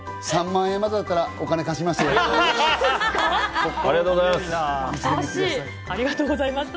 ３万までだったらお金貸しますよ。